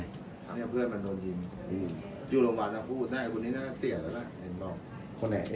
ส่วนสุดท้ายส่วนสุดท้าย